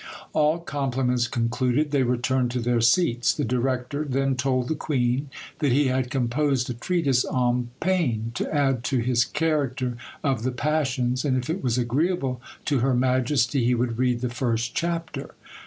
All compliments concluded, they returned to their seats. The director then told the queen that he had composed a treatise on Pain, to add to his character of the Passions, and if it was agreeable to her majesty, he would read the first chapter.